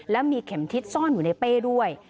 และมีเข็มทิศซ่อนอยู่ในเป้ด้วย